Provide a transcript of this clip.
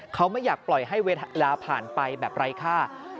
เขาไม่อยากปล่อยให้เวลาผ่านไปแบบไร้ค่า